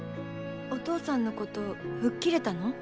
お父さんのこと吹っ切れたの？